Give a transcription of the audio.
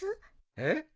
えっ！？